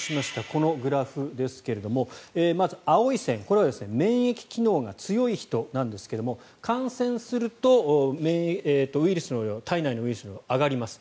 このグラフですがまず、青い線、これは免疫機能が強い人なんですが感染すると体内のウイルスの量が上がります。